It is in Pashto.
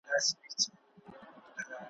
په خپل ژوند یې د ښار مخ نه وو لیدلی ,